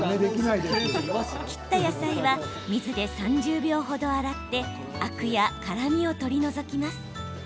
切った野菜は水で３０秒程、洗ってアクや辛みを取り除きます。